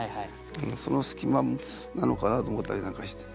その隙間なのかなと思ったりなんかして。